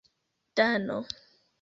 dano